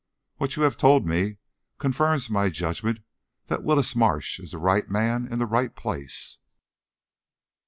What you have told me confirms my judgment that Willis Marsh is the right man in the right place."